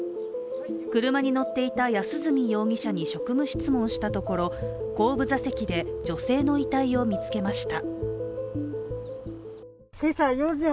車に乗っていた安栖容疑者に職務質問したところ後部座席で女性の遺体を見つけました。